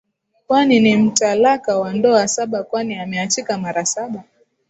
kwani ni mtalaka wa ndoa saba kwani ameachika mara saba